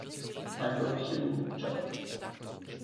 Michael Hugh Jupp.